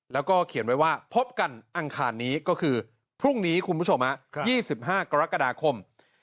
แล้วก็เขียนไว้ว่าพบกันอังคารนี้ก็คือพรุ่งนี้คุณผู้ชม๒๕กรกฎาคม